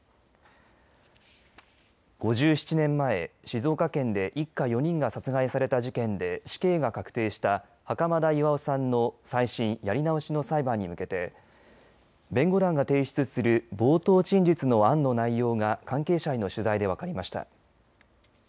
５７年前、静岡県で一家４人が殺害された事件で死刑が確定した袴田巌さんの再審、やり直しの裁判に向けて弁護団が提出する冒頭陳述の案の内容が関係者への取材で分かりました。